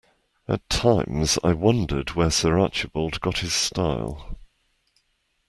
At times I wondered where Sir Archibald got his style.